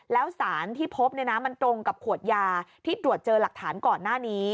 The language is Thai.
แล้วสารที่พบมันตรงกับขวดยาที่ตรวจเจอหลักฐานก่อนหน้านี้